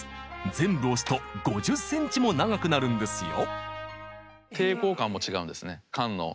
全部押すと５０センチも長くなるんですよ！